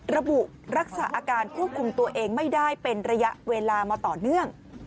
รักษาอาการควบคุมตัวเองไม่ได้เป็นระยะเวลามาต่อเนื่อง